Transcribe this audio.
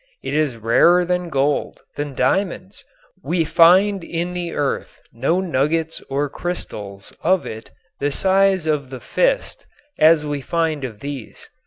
It is rarer than gold, than diamonds; we find in the earth no nuggets or crystals of it the size of the fist as we find of these.